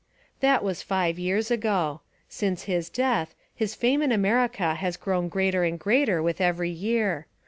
That was five years ago. Since his death, his fame in America has grown greater and greater with every year.